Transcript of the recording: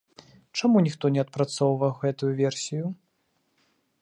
Чаму ніхто не адпрацоўваў гэтую версію?